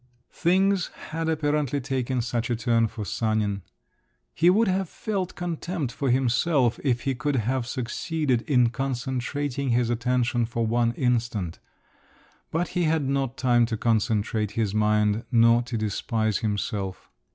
Things had apparently taken such a turn for Sanin…. He would have felt contempt for himself, if he could have succeeded in concentrating his attention for one instant; but he had not time to concentrate his mind nor to despise himself.